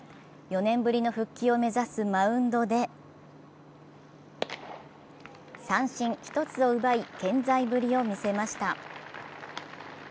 ４年ぶりの復帰を目指すマウンドで三振１つを奪い、健在ぶりを見せました。